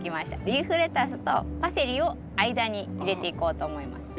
リーフレタスとパセリを間に入れていこうと思います。